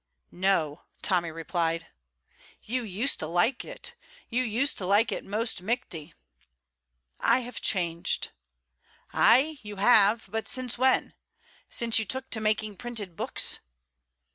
"No," Tommy replied. "You used to like it; you used to like it most michty." "I have changed." "Ay, you have; but since when? Since you took to making printed books?"